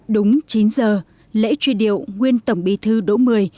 đúng chín giờ lễ truy điệu nguyên tổng bí thư đỗ mười